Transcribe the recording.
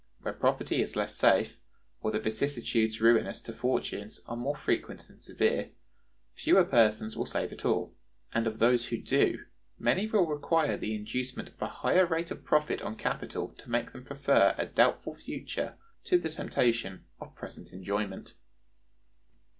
Where property is less safe, or the vicissitudes ruinous to fortunes are more frequent and severe, fewer persons will save at all, and, of those who do, many will require the inducement of a higher rate of profit on capital to make them prefer a doubtful future to the temptation of present enjoyment.